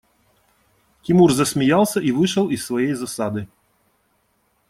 Тимур засмеялся и вышел из своей засады.